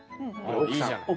おっいいじゃん。